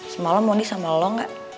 semalam mondi sama lo gak